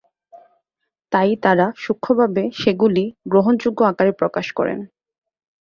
তাই তারা সূক্ষ্মভাবে সেগুলি গ্রহণযোগ্য আকারে প্রকাশ করেন।